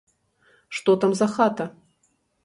Што там за хата?